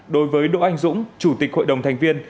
đối với đỗ anh dũng chủ tịch hội đồng thành viên